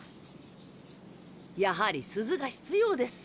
やはり鈴が必要です。